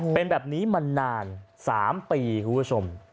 เป็นแบบนี้มานาน๓ปีคุณผู้ชม